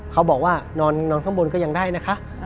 เขาบอกว่านอนข้างบนก็ยังได้นะคะ